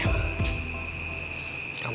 aku mau jadi tunangan kamu